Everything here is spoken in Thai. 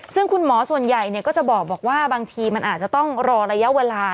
ซึ่งคุณหมอส่วนใหญ่ก็จะบอกว่าบางทีมันอาจจะต้องรอระยะเวลา